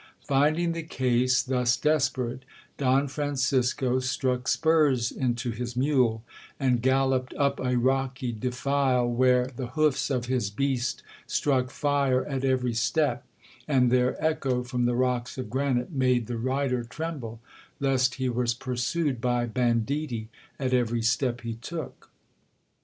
Finding the case thus desperate, Don Francisco struck spurs into his mule, and gallopped up a rocky defile, where the hoofs of his beast struck fire at every step, and their echo from the rocks of granite made the rider tremble, lest he was pursued by banditti at every step he took.